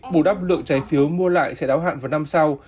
bù đắp lượng trái phiếu mua lại sẽ đáo hạn vào năm sau